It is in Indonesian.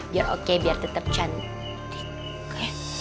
biar oke biar tetap cantik